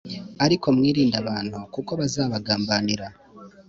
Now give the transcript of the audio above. Ariko mwirinde abantu kuko bazabagambanira